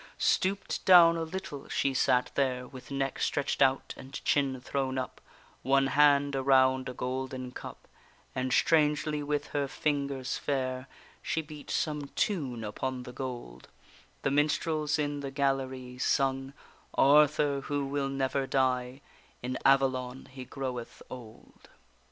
Stoop'd down a little she sat there, With neck stretch'd out and chin thrown up, One hand around a golden cup; And strangely with her fingers fair She beat some tune upon the gold; The minstrels in the gallery Sung: Arthur, who will never die, In Avallon he groweth old.